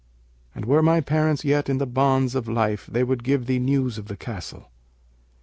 And were my parents yet in the bonds of life they would give thee news of the castle.'